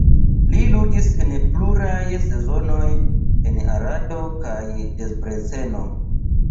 Li ludis en pluraj sezonoj en Arado kaj Debreceno.